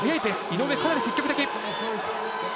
井上、かなり積極的。